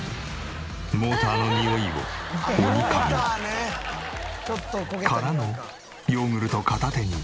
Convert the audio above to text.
モーターのにおいを鬼嗅ぎ。からのヨーグルト片手に。